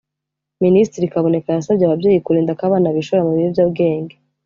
Minisitiri Kaboneka yasabye ababyeyi kurinda ko abana bishora mu biyobyabwenge